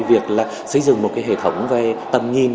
việc xây dựng một hệ thống về tầm nhìn